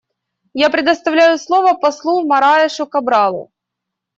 Я предоставляю слово послу Мораешу Кабралу.